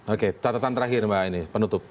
oke catatan terakhir mbak ini penutup